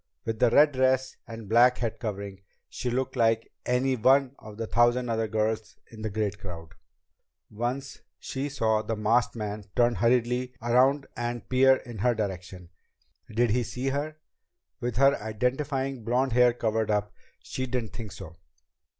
With the red dress and black head covering, she looked like any one of the thousand other girls in the great crowd. Once she saw the masked man turn hurriedly around and peer in her direction. Did he see her? With her identifying blond hair covered up, she didn't think so.